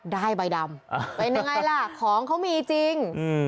ได้ใบดำเป็นยังไงล่ะของเขามีจริง